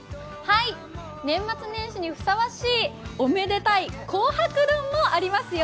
年末年始にふさわしい、おめでたい紅白丼もあります。